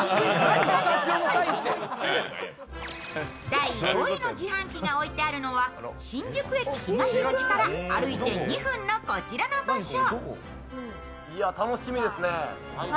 第５位の自販機が置いてあるのは新宿駅東口から歩いて２分のこちらの場所。